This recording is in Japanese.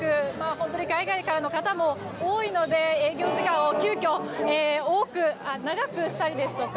本当に海外からの方も多いので、営業時間を急きょ長くしたりですとか